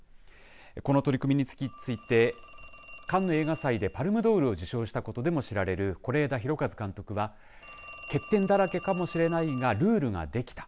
この取り組みについてカンヌ映画祭でパルムドールを受賞したことでも知られる是枝裕和監督は欠点だらけかもしれないがルールができた。